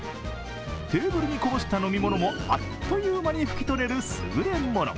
テーブルにこぼした飲み物も、あっという間に拭き取れる優れもの。